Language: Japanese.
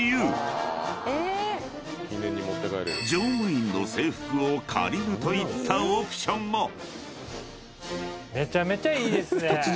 ［乗務員の制服を借りるといったオプションも］めちゃめちゃ。